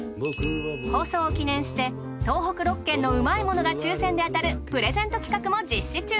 放送を記念して東北６県のうまいものが抽選で当たるプレゼント企画も実施中！